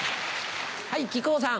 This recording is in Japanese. はい木久扇さん。